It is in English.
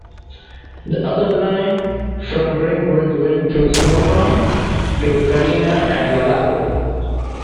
The other line from Brinkworth went through Snowtown to Kadina and Wallaroo.